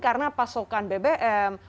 karena pasokan bbm